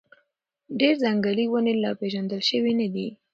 ډېر ځنګلي ونې لا پېژندل شوي نه دي.